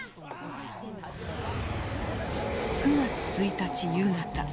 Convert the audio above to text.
９月１日夕方。